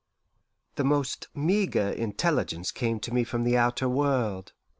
The most meagre intelligence came to me from the outer world.